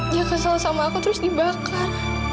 dia kesel sama aku terus dibakar